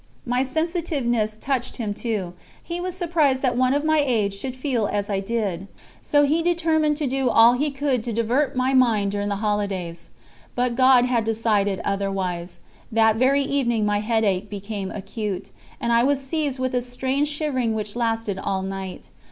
My sensitiveness touched him too; he was surprised that one of my age should feel as I did. So he determined to do all he could to divert my mind during the holidays. But God had decided otherwise. That very evening my headache became acute, and I was seized with a strange shivering which lasted all night.